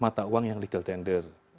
mata uang yang legal tender